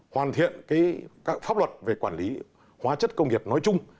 hoàn thiện pháp luật về quản lý hóa chất công nghiệp nói chung